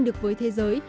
được với thế giới